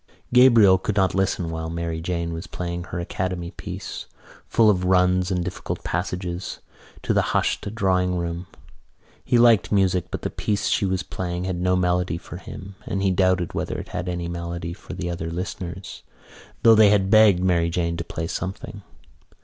Gabriel could not listen while Mary Jane was playing her Academy piece, full of runs and difficult passages, to the hushed drawing room. He liked music but the piece she was playing had no melody for him and he doubted whether it had any melody for the other listeners, though they had begged Mary Jane to play something.